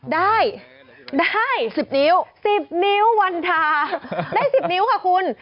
ได้ได้สิบนิ้วสิบนิ้ววันทาได้สิบนิ้วค่ะคุณ